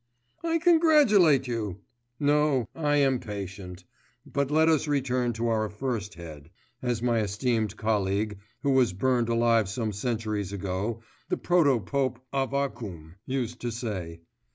'I congratulate you. No, I am patient. "But let us return to our first head," as my esteemed colleague, who was burned alive some centuries ago, the protopope Avvakum, used to say.